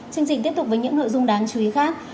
chương trình tiếp tục với những nội dung đáng chú ý khác